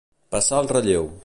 Passar el relleu.